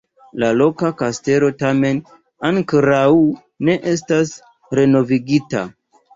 La loka kastelo tamen ankoraŭ ne estas renovigita.